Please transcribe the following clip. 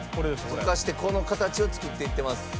溶かしてこの形を作っていってます。